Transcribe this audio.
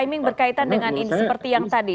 iming berkaitan dengan seperti yang tadi